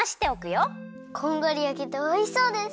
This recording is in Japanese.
こんがりやけておいしそうです。